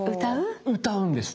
歌うんです！